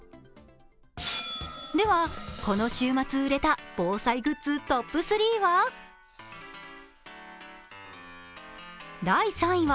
では、この週末売れた防災グッズトップ３は？